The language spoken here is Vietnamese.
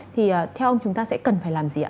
thì theo ông chúng ta sẽ cần phải làm gì ạ